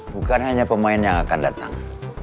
bukan hanya pemain yang akan datang